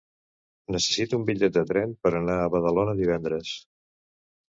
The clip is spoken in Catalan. Necessito un bitllet de tren per anar a Badalona divendres.